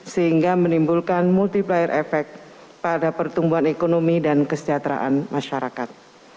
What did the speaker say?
sehingga menimbulkan multiplier effect pada pertumbuhan ekonomi dan kesejahteraan masyarakat